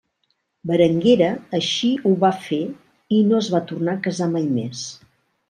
Berenguera així ho va fer i no es va tornar a casar mai més.